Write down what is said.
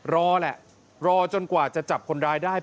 รอแหละรอจนกว่าจะจับคนร้ายได้